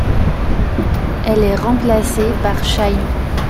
Elle est remplacée par Shy'm.